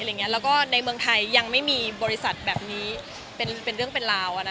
แล้วก็ในเมืองไทยยังไม่มีบริษัทแบบนี้เป็นเรื่องเป็นราว